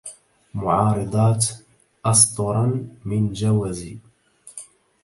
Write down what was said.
معارضات أسطراً من جَوزِ